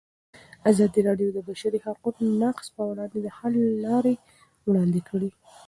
ازادي راډیو د د بشري حقونو نقض پر وړاندې د حل لارې وړاندې کړي.